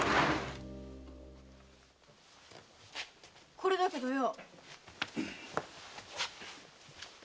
これだけどよ。